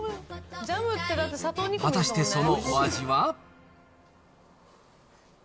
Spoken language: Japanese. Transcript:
果たして、そのお味は？